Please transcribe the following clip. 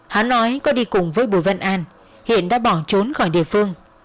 hắn nói có đi cùng với bùi văn an hiện đã bỏ trốn khỏi địa phương